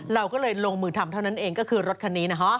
เราก็เลยลงมือทำเท่านั้นเองก็คือรถคันนี้นะฮะ